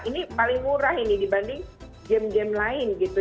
ini paling murah ini dibanding game game lain gitu